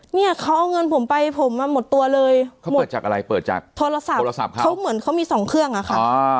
เนี่ยเขาเอาเงินผมไปผมมาหมดตัวเลยเขาหมดจากอะไรเปิดจากโทรศัพท์โทรศัพท์เขาเหมือนเขามีสองเครื่องอะค่ะ